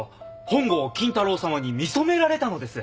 本郷金太郎さまに見初められたのです。